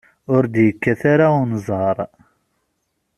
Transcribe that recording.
Ur d-yekkat ara unẓar.